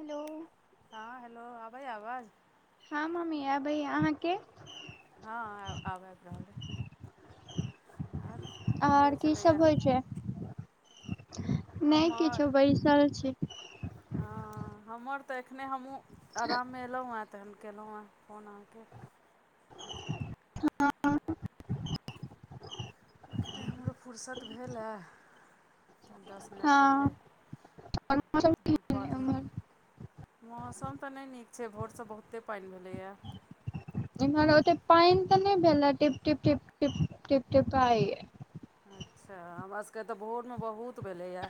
Hello. ह hello आबै आवाज हँ मम्मी अयबै अहाँकेँ, ह आब आबि रहलइ ओर आऔर कि सभ होइ छै नहि किछो हमर बैसल छी। हँ हमर तऽ एखने हमहूँ आराम मे एयलहुँ हेन तखन केलहुँ हेँ फोन अहाँकेँ एखने हमरो फुरसत भेल या दस मिनट हँ पहिले और मौसम केहन अय उम्हर? पढ़लहुँ मौसम तऽ नहि नीक छै भोरसँ बहुते पानि भेलैया एमहर ओते पानि तऽ नहि भेलैये टिप टिप टिप टिप टिप टिपाइये अच्छा हमरा सभके तऽ भोरमे बहुत भेलैए।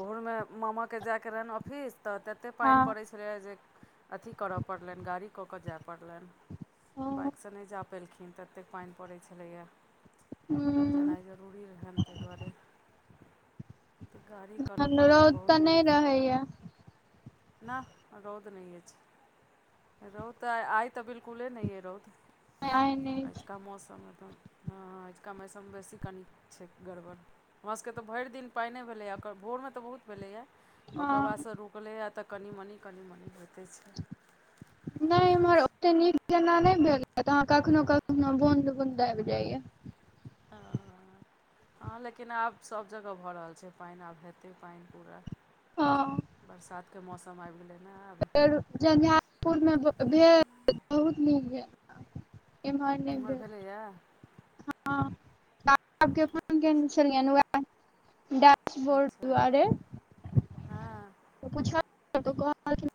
भोर मे मामा के जाय के रहनि ऑफिस तऽ तते पानि हँ पड़ै छै। दोसर जे अथी करे पड़लनि गाड़ी कऽ कऽ जाय पड़लनि बाइकसँ नहि जा पेलखिन तत्ते कऽ पानि पड़ै छलैएा हू रूड़ी रहन तऽ दआरे रौद बहुत तऽ नहि रहैया ना रौद नहि अछि छै, रौत आइ तऽ बिल्कुले नइ है रौत आइ नहि अुझ कऽ मौसममे तऽ हँ अजुका मौसम बेसी कनि छै गड़बड़ हमरा सभके तऽ भरि दिन पाइने भेलैए ओकर भोरमे तऽ बहुत भेलैया ओकर हँ बादस रुकलैए तऽ कनि मनि कनि मनि होइते छै नहि इम्हर ओते नीक जेना नहि भेल हे कखनो - कखनो बूॅंद बूॅंद आबि जाइये। ह ह लेकिन आब सभ जगह भऽ रहल छै पानि आब हेतै पानि पूरा हँ बरसात के मौसम आबि गेलै ने आब। झंझर पूर मे भेल बहुत नीक भेल एमहर नहि भे किया हँ पापा के फोन केने छलियनि वैह घर अच्छा दुवारे हँ पुछलखिन तऽ कहलखिन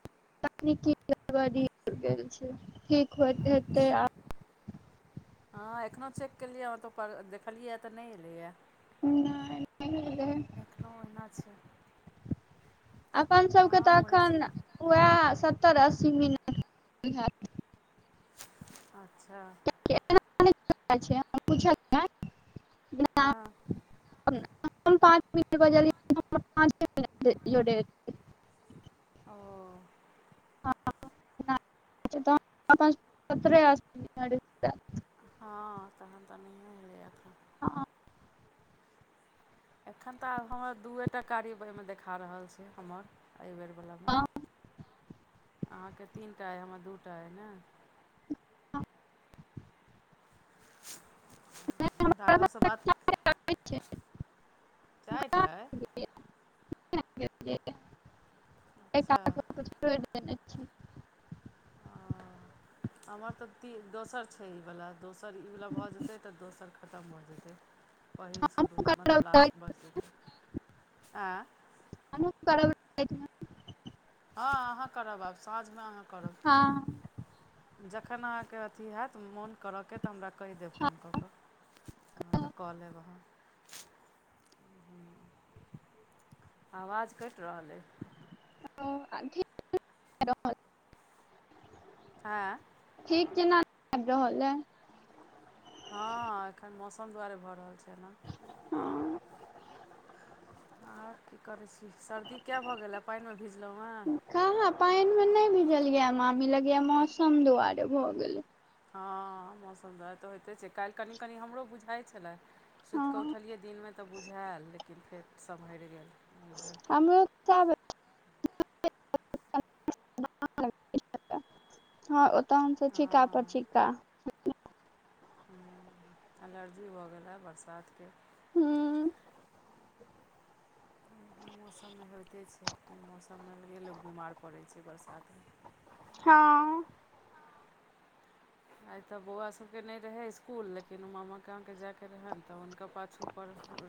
तकनीकि गड़बड़ी भेल छय होइत हेतै अच्छा आब हँ एखन चेक केलियै [inaudible] हँ त देखलियै तऽ नहि एलैए। आब नहि नहि भेलै एखनो ओहिना छै। अपन सबके हँ तऽ ओम्हरेसँ एखन उएह सत्तर अस्सी मिनट हैत अच्छा किया एना एल छियनि पुछलियनि जेना हँ पाँच मिनट बजलियै पाँचे मिनट जोरेतै ओ हॅं नै हमरा त सत्तरे अस्सी मिनट हैत हँ तहन तऽ नहिये एलैय ह एखन तऽ आब हमर दूए टा कार्य ओहिमे देखा रहल छै हमर ऐवेरवलामे अहाँके तीनटा अइ हमर दूटा अइ ने राघवसँ बात, हमरा चारि टा ऐ [inaudible] अच्छा छै हमर तऽ ती दोसर छै ईवला दोसर ई वला भऽ जेतै तऽ दोसर खतम भऽ जैतै पहिल शुरू हमहु में करब मतलब राति, लास्ट भऽ जेतै आँ हमहु बारह बजे हँ अहाँ करब आब साँझमे अहाँ करब हां जखन अहाँके अथी हयत मोन करऽके तऽ हमरा कहि देब फोन कऽ कऽ हॅं तऽ कऽ लेब हम आवाज कटि रहल ऐ। हेलो आ हँ आ ठीक केना नहि आबि रहल ह हँ एखन मौसम दुआरे भऽ रहल छै एना हँ [inaudible] आओर की करै छी सर्दी किया भऽ गेल हे पानि मे भीजलहुं हें कहां पानि मे नहि भिजलियय मामी लगया मौसम दुआरे भए गेले हँ मौसम त तऽ होइते छै काल्हि कनि कनि हमरो बुझाइत छलै सुति कऽ हँ उठलियै दिनमे तऽ बुझायल लेकिन फेर सम्हरि गेल बुझाइये हमरो सेह भेल [inaudible] [inaudible] नय। हँ ओतऽ हमसब छीका पर हँ छीका हुॅं एलर्जी भऽ गेल हें बरसातके हूॅं एहेन मौसममे होइते छै ऐ मौसममे ओनहिये लोक बीमार पड़ैत छै बरसातमे हँ आइ तऽ बौआ सभके नहि रहै इस्कुल लेकिन ओ मामा कहके जायके रहनि तऽ हुनका पास छूप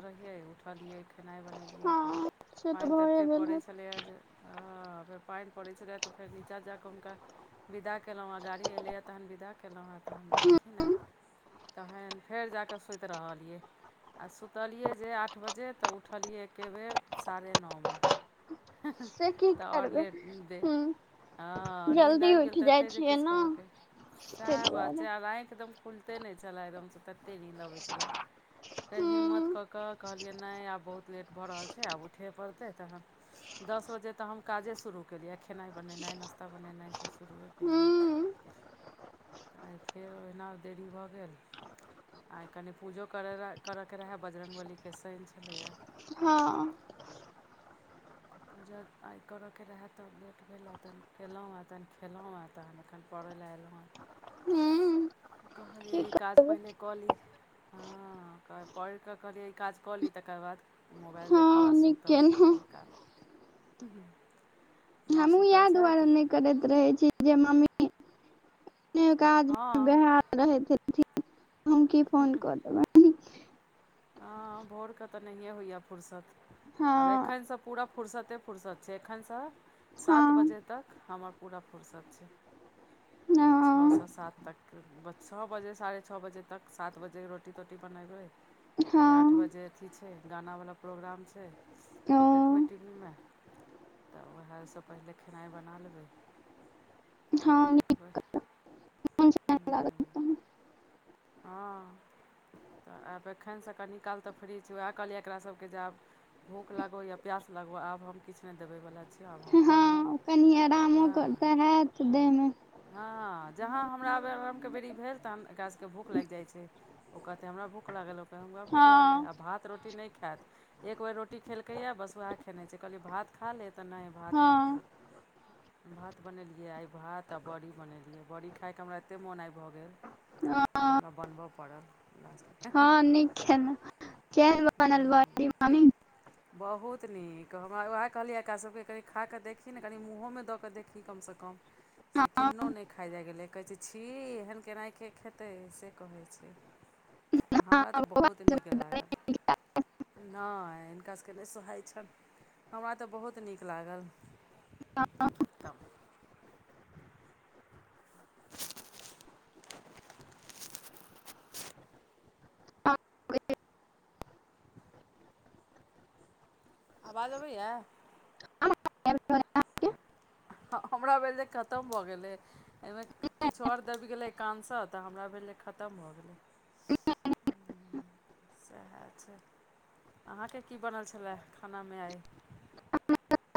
रहियै उठलियै खेनाइ बनेलियै हँ से पानि तऽ भए एतेक गेल पड़ै हैत छलैए जे हँ फेर पानि पड़ैत छल रहै तऽ फेर नीचाँ जााकऽ हुनका विदा कयलहुँ हेँ गाड़ी अयलैए तखन विदा कयलहुँ हेँ तऽन हम गेलखिन हेँ तखन फेर जा कऽ सुति रहलियै आ सुतलियै जे आठ बजे तऽ उठलियै एककैबेर साढ़े न में से की तऽ आओर करबै लेट दे हूँ हँ नींन्द जल्दी आबि गेल उठि तऽ जाइ एतहि जे छियै किछु ने द क देब तै सेहे बात दुआरे छले ‌आ आँखि एकदम खुलिते नहि छलय एकदमसँ ततेक नी ल अबै छलय फेर हिम्मत हूँ कऽ कऽ कहलियै नहि आब बहुत लेट भऽ रहल छै आब उठय पड़तै तखन दस बजे तऽ हम काजे शुरू केलियै खेनाइ बनेनाइ नाश्ता बनेनाइसभ शुरूए केलियै हूँ आ य फेर ओहिना देरी भऽ गेल आइ कनि पूजो करयके रहए बजरङ्गबलीके शनि छलैए यै हँ जब आइ करऽके रहै तब लेट भेल त केलहुँ आ तखन खेलहुँ एखन हूँ कहलिय की जे ई काज परैले एलहु पहिनेे कऽ ली हँ पढ़ि कऽ कहलियै ई काज कऽ ली तकर बाद मोबाइल कहु देखब आ हँ नीक सुतब केलहुँ कनि काल माँ हमहूँ सुतल यएह दुआरे छथि नहि करैत रहै छी जे मम्मी काजमे हँ बह रहैत हेथिन हम की फोन कऽ देबै हँ भोरके तऽ नहिए होइएा फुरसत आब हँ एखनसँ पूरा फुुरसते फुरसत छै एखनसँ सात हँ बजे तक हमर पूरा फुरसत छ सए हँ सात तक छओ बजे साढ़े छओ बजे तक सात बजे रोटी तोटी बनैबै आइ हँ आठ बजे अथी छै गानावला प्रोग्राम छै ओ देखबै ओ टी वी मे तऽ उएहसँ पहिले खेनाइ बना लेबै तखन हँ देखबै ह नीमन से नहि लागत तहन। हँ तऽ आब एखनसँ क निकाल तऽ फ्रीज उएह कहलियै एकरा सभकेँ आब भूख लागो या प्यास लागो आब हम किछु ने देबे वाला छियै से आब हम पढ़लहुँ हँ हँ त देमे हँ जहाँ हमरार आरामके बेरी भेल तहन एकरा सब के भूख लागि जाइ छै ओ कहतै हमरा भूख लागल ओ कहतै हमरा भूख लागलै हँ आब भात रोटी नहि खायत एक बेर रोटी खेलकैएा बस उएह खेने छै कहलियी भात खा ले तऽ नहि भात नहि खा हँ तय भात बनेलियै आइ भात तऽ बड़ी बनेलियै बड़ी खाायके हमरा एतेक मोन आइ भऽ गेल हँ जुयले बनबय पड़लस नहि ख ने, क वनलव मी बहुत नीक हमरा उएह कहलियै एकासभकेँ कनि खा कऽ देखी ने कनि मूँहोमे दऽ कऽ देखी कमसँ कम। से किन्नो नहि खा जाए गेलै कहै छै छी एहन केनाहे खेतै से कहैत छै। हँ हमरा तऽ बौआ बहुत नीक लागल नहि। हुनका सबके नहि सुोहाइ छनि हमरा तऽ बहुत नीक लागल खत्तम [unintelligible] क आवाज अबैया आ हँ हमरा भेलर जे खतम भऽ गेलै एहिमे किछु आओर दबि गेलै कंस तऽ हमरा भेलै खतम भऽ गेलै ह। सएह छै अहाँकेँ कि बनल छलै खानामे आइ।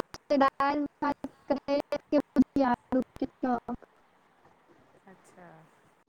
रिेदार। [unintelligible] अच्छा।